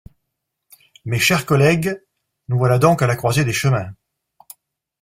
Mes chers collègues, nous voilà donc à la croisée des chemins.